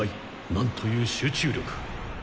なんという集中力。